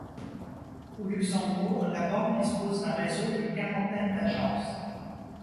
Au Luxembourg, la banque dispose d’un réseau d’une quarantaine d’agences.